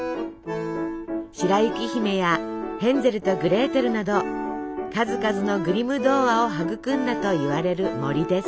「白雪姫」や「ヘンゼルとグレーテル」など数々のグリム童話を育んだといわれる森です。